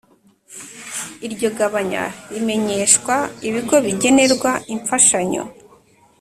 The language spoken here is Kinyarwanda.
Iryo gabanya rimenyeshwa ibigo bigenerwa imfashanyo